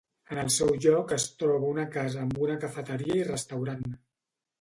En el seu lloc es troba una casa amb una cafeteria i restaurant.